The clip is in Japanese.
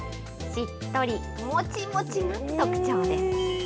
しっとりもちもちが特徴です。